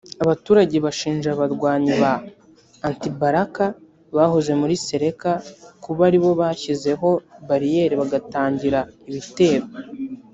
Abaturage bashinja abarwanyi ba « anti-balaka » bahoze muri Seleka kuba ari bo bashyizeho bariyeri bagatangira ibitero